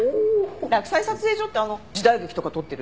洛西撮影所ってあの時代劇とか撮ってる？